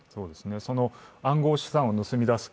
その暗号資産を盗み出す